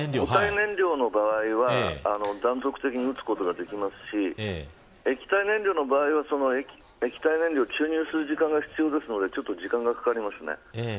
固体燃料の場合は断続的に撃つことができますし液体燃料の場合は液体燃料を注入する時間が必要なので時間がかかります。